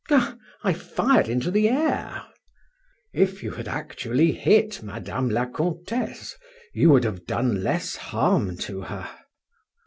"Eh! I fired into the air!" "If you had actually hit Madame la Comtesse, you would have done less harm to her."